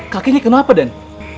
kakak ini kenapa dan